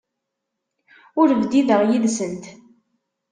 Ur bdideɣ yid-sent.